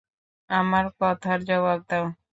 আমার কথার জবাব দাও।